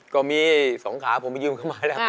ก็มี๒ขาผมไปยืมเข้ามาแล้ว